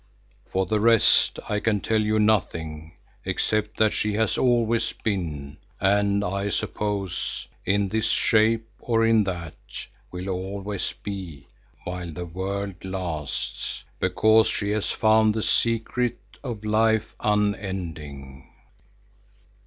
For the rest I can tell you nothing, except that she has always been and I suppose, in this shape or in that, will always be while the world lasts, because she has found the secret of life unending."